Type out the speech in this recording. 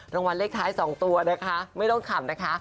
รางวัลเลขท้าย๒ตัวนะคะไม่ต้องขำนะคะ